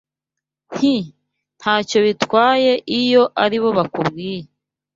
Nti: nta cyo bitwaye Iyo ali bo bakubwiye